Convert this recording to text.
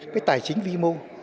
cái tài chính vi mô